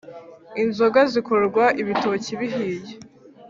inzoga zikorwa ibitoki bihiye